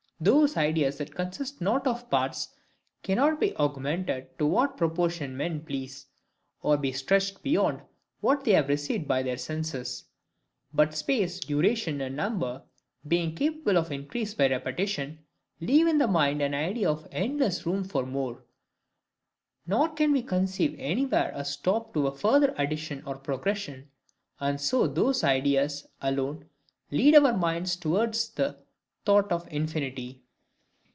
Those ideas that consist not of parts cannot be augmented to what proportion men please, or be stretched beyond what they have received by their senses; but space, duration, and number, being capable of increase by repetition, leave in the mind an idea of endless room for more; nor can we conceive anywhere a stop to a further addition or progression: and so those ideas ALONE lead our minds towards the thought of infinity.